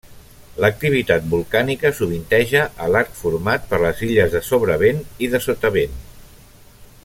L'activitat volcànica sovinteja a l'arc format per les Illes de Sobrevent i de Sotavent.